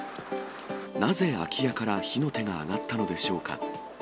なぜ空き家から火の手が上がったのでしょうか。